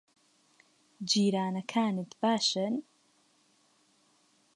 جیرانەکانت باشن؟